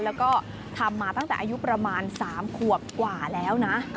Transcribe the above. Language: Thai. แล้วก็ทำมาตั้งแต่อายุประมาณ๓ขวบกว่าแล้วนะ